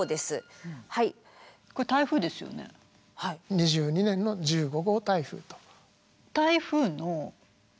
２２年の１５号台風と。